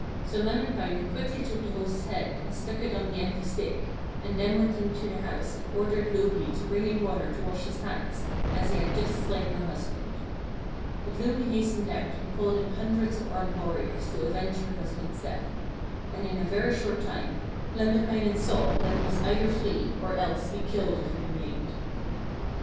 So Lemminkainen quickly took the host's head and stuck it on the empty stake, and then went into the house and ordered Louhi to bring him water to wash his hands, as he had just slain her husband. But Louhi hastened out and called in hundreds of armed warriors to avenge her husband's death. And in a very short time Lemminkainen saw that he must either flee or else be killed if he remained.